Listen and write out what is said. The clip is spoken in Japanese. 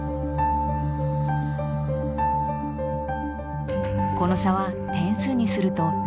この差は点数にすると０．１点。